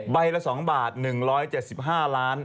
ใบละ๒บาท๑๗๕ล้าน